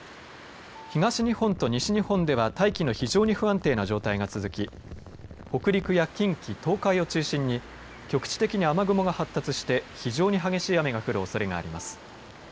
東日本と西日本では大気の非常に不安定な状態が続き、北陸や近畿、東海を中心に局地的に雨雲が発達して非常に激しい雨が降るおそれがあります。